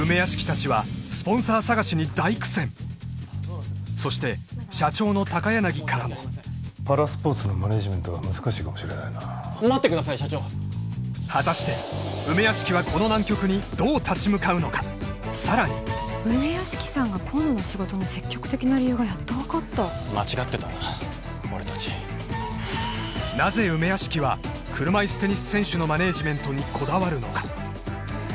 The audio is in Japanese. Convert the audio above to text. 梅屋敷達はそして社長の高柳からもパラスポーツのマネージメントは難しいかもしれないな待ってください社長果たして梅屋敷はこの難局にどう立ち向かうのかさらに梅屋敷さんが今度の仕事に積極的な理由がやっと分かった間違ってたな俺達なぜ梅屋敷は車いすテニス選手のマネージメントにこだわるのか